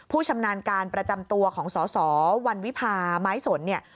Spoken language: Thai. ชำนาญการประจำตัวของสสวันวิพาไม้สนเนี่ย